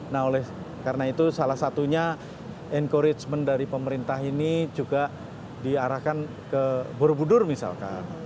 nah oleh karena itu salah satunya encouragement dari pemerintah ini juga diarahkan ke borobudur misalkan